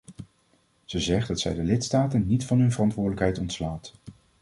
Ze zegt dat zij de lidstaten niet van hun verantwoordelijkheid ontslaat.